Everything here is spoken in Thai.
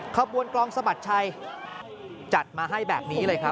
ขบวนกลองสะบัดชัยจัดมาให้แบบนี้เลยครับ